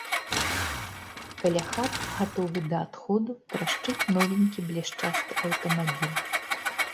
Каля хат, гатовы да адходу, трашчыць новенькі, блішчасты аўтамабіль.